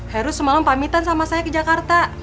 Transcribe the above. heru semalam pamitan sama saya ke jakarta